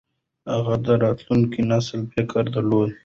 هغه د راتلونکي نسل فکر درلود.